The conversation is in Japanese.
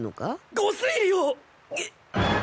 御推理を！